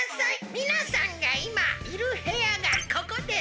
みなさんがいまいるへやがここです！